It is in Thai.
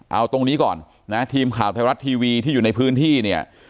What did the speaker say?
เอาตรงนี้ก่อนนะทีมข่าวไทยรัฐทีวีที่อยู่ในพื้นที่เนี่ย